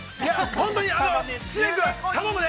本当に、知念君、頼むね。